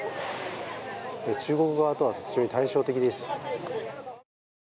中国側とは非常に対照的です。